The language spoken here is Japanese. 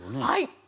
はい。